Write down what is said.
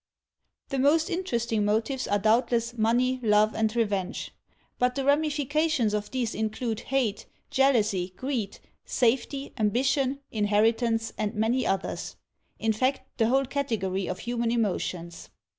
The most interesting motives are doubtless money, love and revenge; but the ramifications of these include hate, jealousy, greed, safety, ambition, inheritance and many others — in fact, the whole category of human emotions.